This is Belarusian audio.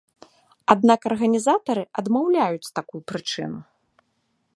Аднак арганізатары адмаўляюць такую прычыну.